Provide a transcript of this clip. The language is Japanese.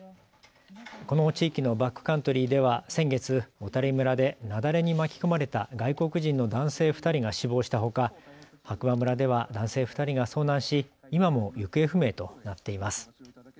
この地域のバックカントリーでは先月、小谷村で雪崩に巻き込まれた外国人の男性２人が死亡したほか白馬村では男性２人が遭難し今も行方不明となっています。